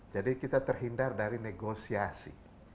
jadi kita terhindar dari negosiasi